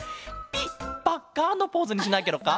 ピッパッカンのポーズにしないケロか？